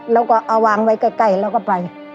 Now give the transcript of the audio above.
แล้วก็เอาวางไว้ใกล้แล้วก็ไป